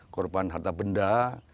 korban harta benda